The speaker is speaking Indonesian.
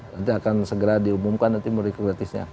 nanti akan segera diumumkan nanti mudik gratisnya